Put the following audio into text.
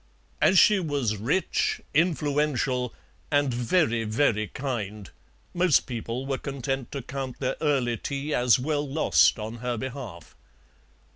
As she was rich, influential, and very, very kind, most people were content to count their early tea as well lost on her behalf.